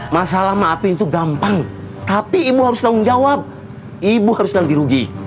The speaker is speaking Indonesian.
masalah maafin itu gampang tapi ibu harus tanggung jawab ibu harus ganti rugi